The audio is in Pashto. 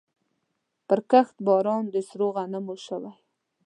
پرکښت باران د سرو غنمو شوی